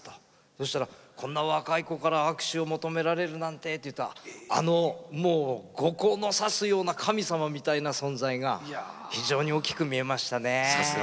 そしたら「こんな若い子から握手を求められるなんて」って後光のさすような神様みたいな存在が非常に大きく見えましたね。